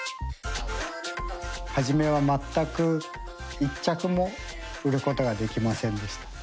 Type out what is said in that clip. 初めは全く１着も売ることができませんでした。